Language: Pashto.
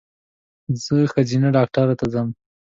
زه ښځېنه ډاکټر ته ځم